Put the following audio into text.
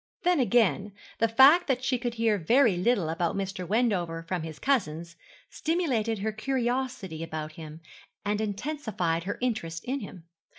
Then, again, the fact that she could hear very little about Mr. Wendover from his cousins, stimulated her curiosity about him, and intensified her interest in him.